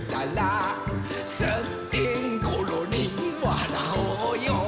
「すってんころりんわらおうよ」